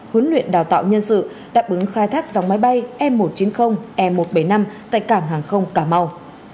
huấn luyện đào tạo nhân sự đáp ứng khai thác dòng máy bay e một trăm chín mươi e một trăm bảy mươi năm tại cảng hàng không cà mau